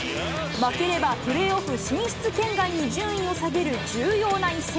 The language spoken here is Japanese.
負ければプレーオフ進出圏外に順位を下げる重要な一戦。